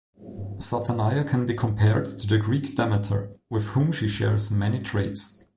Satanaya can be compared to the Greek Demeter, with whom she shares many traits.